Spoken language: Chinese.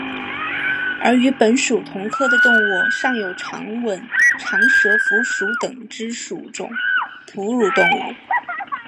而与本属同科的动物尚有长吻长舌蝠属等之数种哺乳动物。